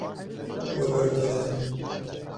We berdaye.